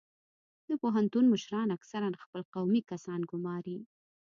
د پوهنتون مشران اکثرا خپل قومي کسان ګماري